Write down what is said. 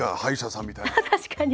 確かに。